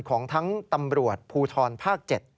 ของทั้งตำรวจภูทรภาค๗